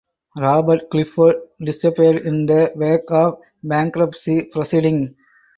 Robert Gifford disappeared in the wake of bankruptcy proceeding.